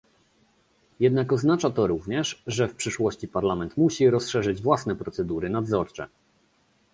Jednak oznacza to również, że w przyszłości Parlament musi rozszerzyć własne procedury nadzorcze